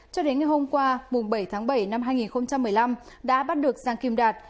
cho đến ngày hôm qua bảy tháng bảy năm hai nghìn một mươi năm đã bắt được giang kim đạt